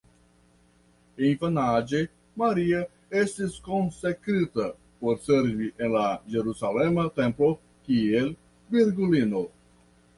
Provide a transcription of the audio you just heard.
Infanaĝe, Maria estis konsekrita por servi en la jerusalema templo kiel virgulino.